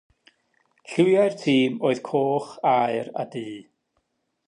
Lliwiau'r tîm oedd coch, aur a du.